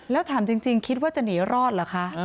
แล้วถามจริงคิดว่าจะหนีรอดเหรอคะ